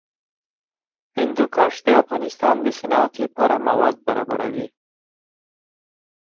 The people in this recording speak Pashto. هندوکش د افغانستان د صنعت لپاره مواد برابروي.